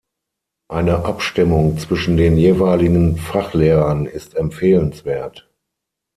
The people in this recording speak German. Eine Abstimmung zwischen den jeweiligen Fachlehrern ist empfehlenswert.